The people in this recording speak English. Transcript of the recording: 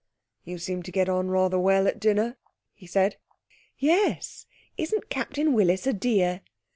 'You seemed to get on rather well at dinner,' he said. 'Yes; isn't Captain Willis a dear?'